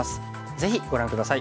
ぜひご覧下さい。